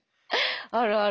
あるある。